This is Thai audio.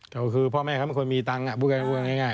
ก็คือพ่อแม่เขามีควรมีตังค์เพิ่งพูดแข็ง